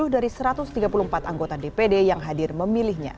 empat puluh tujuh dari satu ratus tiga puluh empat anggota dpd yang hadir memilihnya